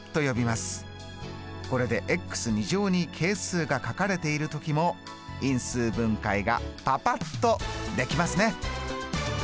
これでに係数が書かれている時も因数分解がパパっとできますね。